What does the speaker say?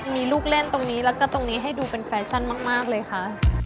มีลูกเล่นตรงนี้แล้วก็ตรงนี้ให้ดูเป็นแฟชั่นมากเลยค่ะ